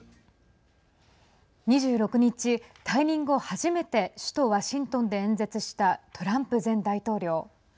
２６日、退任後初めて首都ワシントンで演説したトランプ前大統領。